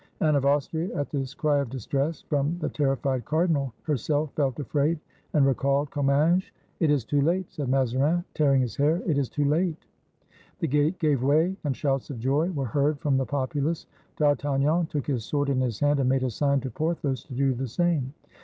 Anne of Austria, at this cry of distress from the terri fied cardinal, herself felt afraid, and recalled Com minges. "It is too late!" said Mazarin, tearing his hair, "it is too late!" The gate gave way, and shouts of joy were heard from the populace. D'Artagnan took his sword in his hand, and made a sign to Porthos to do the same.